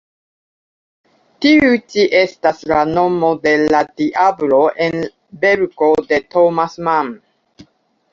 Tiu ĉi estas la nomo de la diablo en verko de Thomas Mann.